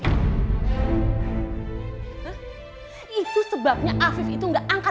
itu sebabnya afif tersiting